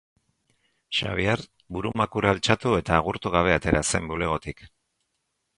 Xabier burumakur altxatu eta agurtu gabe atera zen bulegotik.